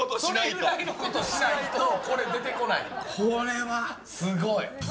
それぐらいのことをしないとこれ出てこない。